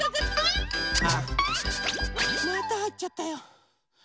またはいっちゃったよ。